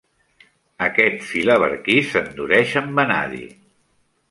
Aquest filaberquí s'endureix amb vanadi.